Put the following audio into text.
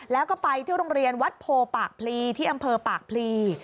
แล้วก็ไปที่โรงเรียนวัดโพปากพลีที่อำเภอปากพลี